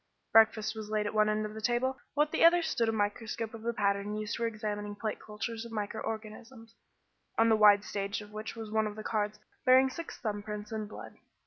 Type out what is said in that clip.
Breakfast was laid at one end of the table, while at the other stood a microscope of the pattern used for examining plate cultures of micro organisms, on the wide stage of which was one of the cards bearing six thumb prints in blood.